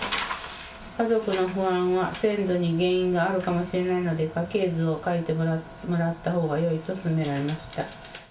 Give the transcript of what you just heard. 家族の不安は先祖に原因があるかもしれないので、家系図を書いてもらったほうがよいと勧められました。